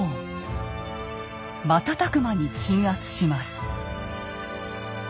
瞬く間に鎮圧します。